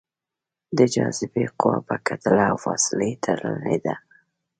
د جاذبې قوه په کتله او فاصلې تړلې ده.